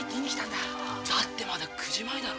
だってまだ９時前だろ。